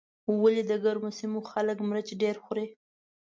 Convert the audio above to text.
ولې د ګرمو سیمو خلک مرچ ډېر خوري.